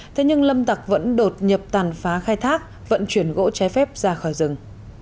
thế nhưng lâm tạc vẫn đột nhập tàn phá khai thác vận chuyển gỗ cháy phép ra khỏi rừng